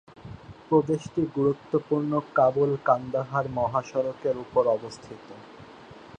প্রদেশটি গুরুত্বপূর্ণ কাবুল-কান্দাহার মহাসড়কের উপর অবস্থিত।